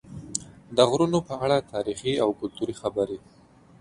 د غرونو په اړه تاریخي او کلتوري خبرې